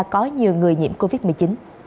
có nhiều người nhiễm covid một mươi chín